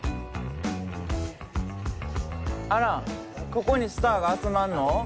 アランここにスターが集まんの？